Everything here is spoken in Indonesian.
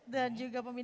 dan juga pembina